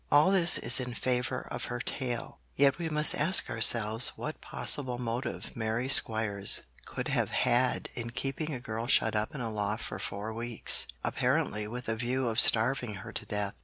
All this is in favour of her tale. Yet we must ask ourselves what possible motive Mary Squires could have had in keeping a girl shut up in a loft for four weeks, apparently with a view of starving her to death?